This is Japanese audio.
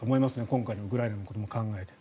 今回のウクライナのことも考えて。